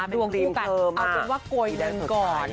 ดวงคู่กันเอาเหมือนว่ากลอยเงินก่อน